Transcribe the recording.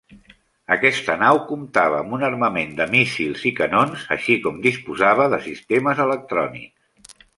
Aquesta nau comptava amb un armament de míssils i canons, així com disposava de sistemes electrònics.